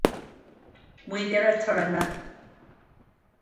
maolaire turrainge